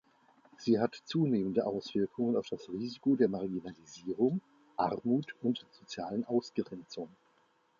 Sie hat zunehmende Auswirkungen auf das Risiko der Marginalisierung, Armut und sozialen Ausgrenzung.